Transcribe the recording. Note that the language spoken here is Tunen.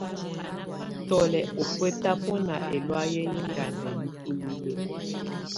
Tù lɛ̀ ɔbɛ̀tabɔna ɛlɔ̀áyɛ yɛ̀ ɛŋganda yi bulilǝ.